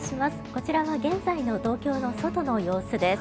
こちらは現在の東京の外の様子です。